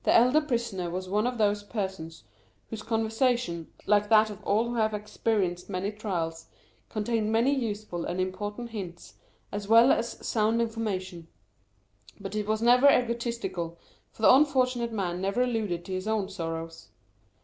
The elder prisoner was one of those persons whose conversation, like that of all who have experienced many trials, contained many useful and important hints as well as sound information; but it was never egotistical, for the unfortunate man never alluded to his own sorrows.